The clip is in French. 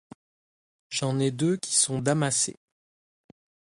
J'en ai deux qui sont damassées.